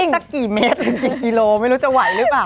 สักกี่เมตรหรือกี่กิโลไม่รู้จะไหวหรือเปล่า